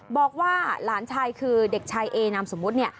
บอกว่าหลานชายคือเด็กชายเอนามสมมุติเนี่ย